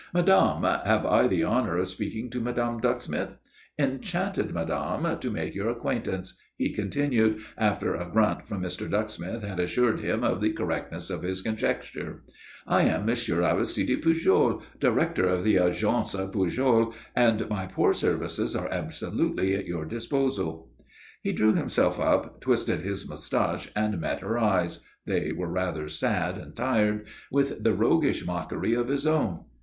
"Madame, have I the honour of speaking to Madame Ducksmith? Enchanted, madame, to make your acquaintance," he continued, after a grunt from Mr. Ducksmith had assured him of the correctness of his conjecture. "I am Monsieur Aristide Pujol, director of the Agence Pujol, and my poor services are absolutely at your disposal." He drew himself up, twisted his moustache, and met her eyes they were rather sad and tired with the roguish mockery of his own.